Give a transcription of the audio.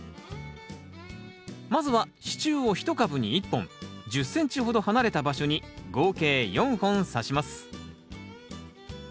まずは支柱を１株に１本１０ｃｍほど離れた場所に合計４本さします。